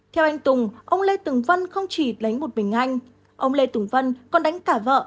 theo anh tùng ông lê tùng vân không chỉ đánh một mình anh ông lê tùng vân còn đánh cả vợ